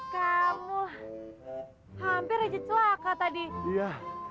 kamu hampir rejit suaka tadi dia